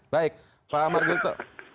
baik pak margarito